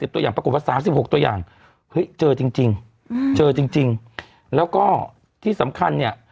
ตัวอย่างปรากฏว่า๓๖ตัวอย่างเฮ้ยเจอจริงเจอจริงแล้วก็ที่สำคัญเนี่ย